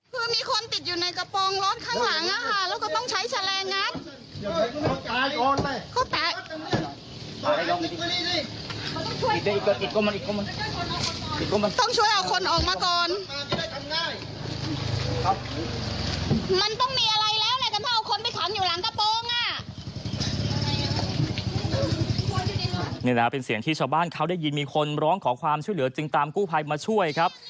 นี่แหละเป็นเสียงที่ชาวบ้านเขาได้ยินมีคนร้องขอความช่วยเหลือจึงตามกู้ภัยมาช่วยครับ